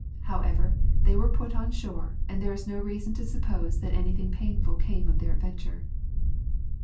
However, they were put on shore, and there is no reason to suppose that anything painful came of their adventure.